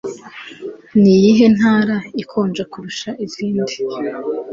Niyihe ntara ikonja kurusha izindi?